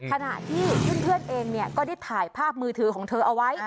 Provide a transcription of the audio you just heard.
ขณะที่เพื่อนเองก็ได้ถ่ายภาพมือถือของเธอเอาไว้